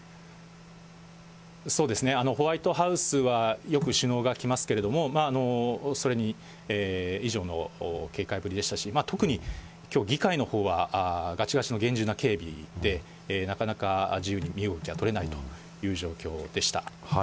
ホワイトハウスはよく首脳が来ますけれども、それ以上の警戒ぶりでしたし、特にきょう、議会のほうはがちがちの厳重な警備で、なかなか、自由に身動きが取れないという状況でした。